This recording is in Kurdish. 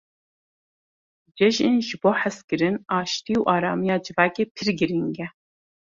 Cejin ji bo hezkirin, aştî û aramiya civakê pir giring e.